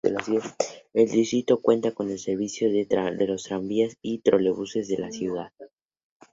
El distrito cuenta con el servicio de los tranvías y trolebuses de la ciudad.